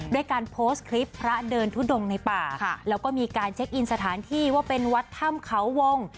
ด้วยการโพสต์คลิปพระเดินทุดงในป่าแล้วก็มีการเช็คอินสถานที่ว่าเป็นวัดถ้ำเขาวง